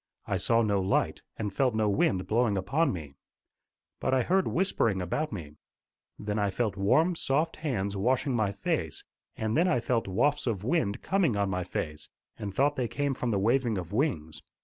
I saw no light, and felt no wind blowing upon me. But I heard whispering about me. Then I felt warm, soft hands washing my face, and then I felt wafts of wind coming on my face, and thought they came from the waving of wings.